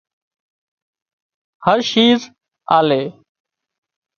هر شيز آلي